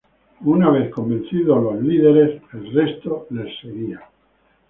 Una vez habían convencido a los líderes, el resto les seguía.